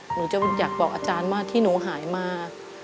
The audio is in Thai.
หนูจะอยากบอกอาจารย์ว่าที่หนูหายมา